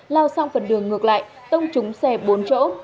lao sang phần đường ngược lại tông trúng xe bốn chỗ